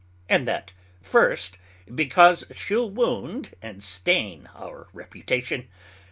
_ And that, First, Because she'l wound and stain our reputation.